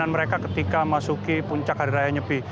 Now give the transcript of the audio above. mereka ketika masuki puncak hadiraya nyepi